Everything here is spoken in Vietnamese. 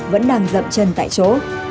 vẫn đang dậm chân tại chỗ